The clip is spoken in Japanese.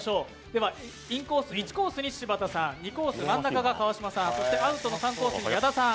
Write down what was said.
では１コースに柴田さん、２コース、真ん中が川島さん、アウトの３コースに矢田さん